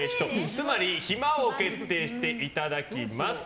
つまり暇王を決定していただきます。